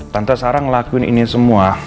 tante sarah ngelakuin ini semua